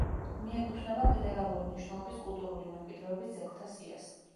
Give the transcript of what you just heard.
მიეკუთვნება ფედერალური მნიშვნელობის კულტურული მემკვიდრეობის ძეგლთა სიას.